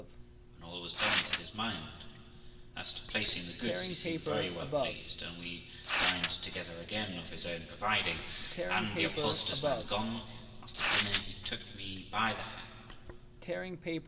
When all was done to his mind, as to placing the goods, he seemed very well pleased, and we dined together again of his own providing; and the upholsterer's man gone, after dinner he took me by the hand.